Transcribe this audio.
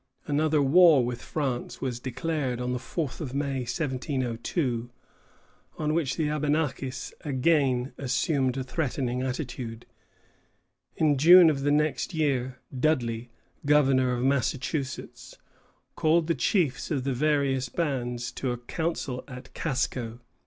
Another war with France was declared on the fourth of May, 1702, on which the Abenakis again assumed a threatening attitude. In June of the next year Dudley, governor of Massachusetts, called the chiefs of the various bands to a council at Casco.